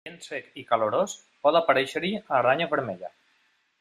En ambient sec i calorós pot aparèixer-hi aranya vermella.